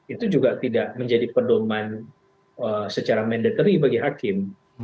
itu juga tidak menjadi pedoman secara mandatory bagi hakim